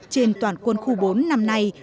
trên toàn quân khu bốn năm nay